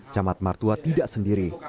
camat martua tidak sendiri